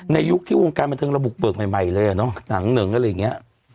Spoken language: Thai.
ในยุคที่วงการมันถึงระบุเบิกใหม่ใหม่เลยอ่ะเนอะหนังเหนิงอะไรอย่างเงี้ย